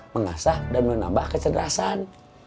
mengasah dan menambah kecerdasan